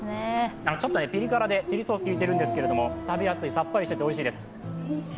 ピリ辛でチリソースきいてるんですけども、食べやすい、さっぱりしていておいしいです。